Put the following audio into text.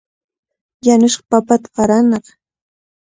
Yanushqa papata qaranaaq.